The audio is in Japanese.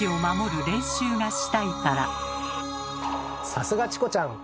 さすがチコちゃん！